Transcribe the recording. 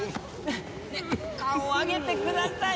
ねっ顔上げてください。